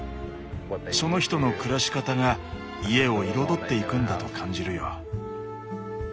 その人の暮らし方が家を彩っていくんだと感じるよ。